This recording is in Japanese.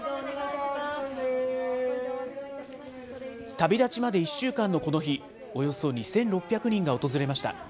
旅立ちまで１週間のこの日、およそ２６００人が訪れました。